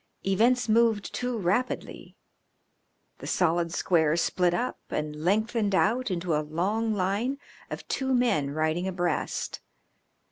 Events moved too rapidly. The solid square split up and lengthened out into a long line of two men riding abreast.